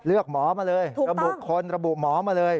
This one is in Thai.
หมอมาเลยระบุคนระบุหมอมาเลย